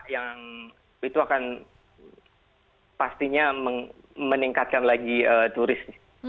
yang itu akan pastinya meningkatkan lagi turis